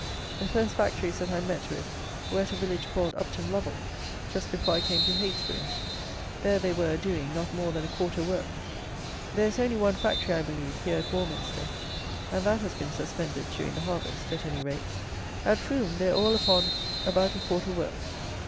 The first factories that I met with were at a village called Upton Lovell, just before I came to Heytesbury. There they were a doing not more than a quarter work. There is only one factory, I believe, here at Warminster, and that has been suspended, during the harvest, at any rate. At Frome they are all upon about a quarter work.